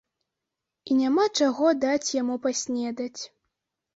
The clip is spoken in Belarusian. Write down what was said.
І няма чаго даць яму паснедаць.